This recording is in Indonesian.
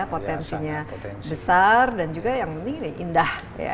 potensinya besar dan juga yang penting ini indah